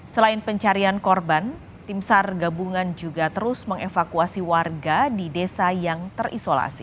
selain pencarian korban timsar gabungan juga terus mengevakuasi